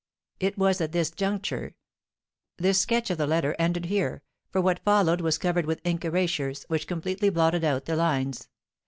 It was at this juncture " This sketch of the letter ended here, for what followed was covered with ink erasures, which completely blotted out the lines.